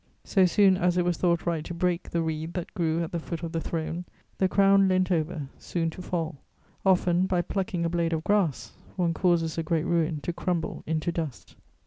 So soon as it was thought right to break the reed that grew at the foot of the throne, the crown leant over, soon to fall: often, by plucking a blade of grass, one causes a great ruin to crumble into dust.